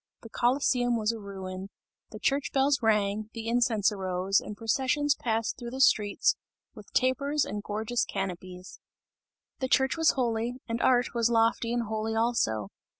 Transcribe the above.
The Colosseum was a ruin; the church bells rang, the incense arose and processions passed through the streets with tapers and gorgeous canopies. The Church was holy, and art was lofty and holy also.